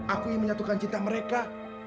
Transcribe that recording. aku ingin menyatukan cinta mereka